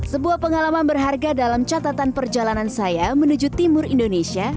sebuah pengalaman berharga dalam catatan perjalanan saya menuju timur indonesia